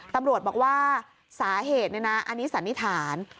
ตำรวจบอกว่าสาเหตุเนี่ยนะอันนี้สันนิษฐาน